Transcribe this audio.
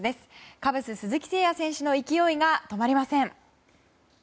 カブス鈴木選手の勢いが止まりません。